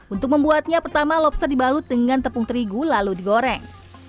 untuk membuatnya pertama lobster dibalut dengan tepung terigu lalu digoreng